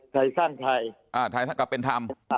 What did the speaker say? ไทร๑๐๐ไทรกับเป็นธรรม